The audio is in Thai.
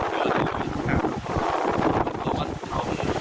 เนี่ยไม่เคยตามเธอเลยไม่ได้รู้ไงเลย